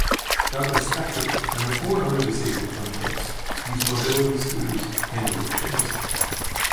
Douglas Spector and the four other disabled plaintiffs use mobility scooters and wheelchairs.